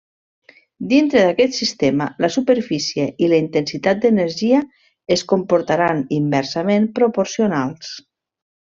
Dintre d'aquest sistema, la superfície i la intensitat d'energia, es comportaran inversament proporcionals.